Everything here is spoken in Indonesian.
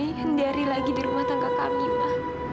tidak ada yang bisa dihendari lagi di rumah tangga kami ma